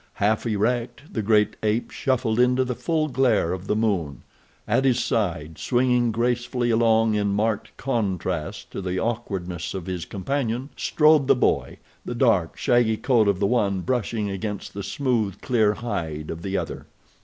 Half erect, the great ape shuffled into the full glare of the moon. At his side, swinging gracefully along in marked contrast to the awkwardness of his companion, strode the boy, the dark, shaggy coat of the one brushing against the smooth, clear hide of the other.